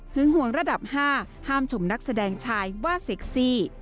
ห่วงระดับ๕ห้ามชมนักแสดงชายว่าเซ็กซี่